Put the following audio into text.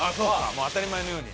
もう当たり前のように。